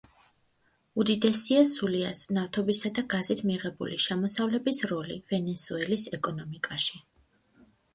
უდიდესია სულიას ნავთობისა და გაზით მიღებული შემოსავლების როლი ვენესუელის ეკონომიკაში.